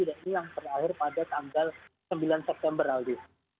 dan ini yang terakhir pada tanggal sembilan september lagi